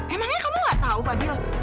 emangnya kamu gak tahu fadil